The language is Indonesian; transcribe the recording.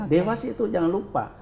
dewas itu jangan lupa